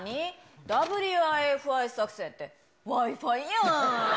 ＷＩＦＩ作戦って、ＷｉＦｉやん。